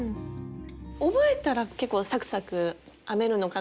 覚えたら結構サクサク編めるのかなと思いましたね。